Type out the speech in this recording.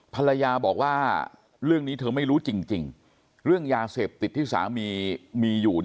ภรรยาบอกว่าเรื่องนี้เธอไม่รู้จริงเรื่องยาเสพติดที่สามีมีอยู่